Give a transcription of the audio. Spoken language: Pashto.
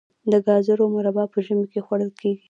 د ګازرو مربا په ژمي کې خوړل کیږي.